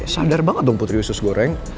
sadar banget dong putri usus goreng